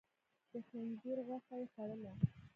د خنزير غوښه يې خوړله؟